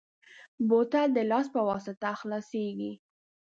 بوتل د لاس په واسطه خلاصېږي.